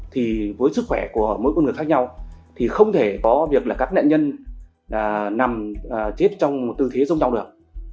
thì với sức khỏe của mỗi con người khác nhau thì không thể có việc là các nạn nhân nằm chết trong một tư thế giống nhau được